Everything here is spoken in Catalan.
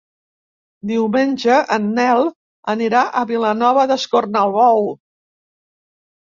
Diumenge en Nel anirà a Vilanova d'Escornalbou.